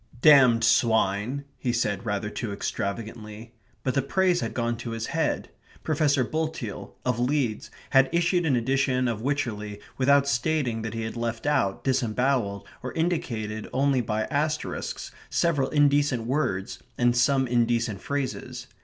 "Damned swine!" he said, rather too extravagantly; but the praise had gone to his head. Professor Bulteel, of Leeds, had issued an edition of Wycherley without stating that he had left out, disembowelled, or indicated only by asterisks, several indecent words and some indecent phrases.